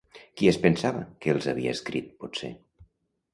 Qui es pensava que els havia escrit, potser?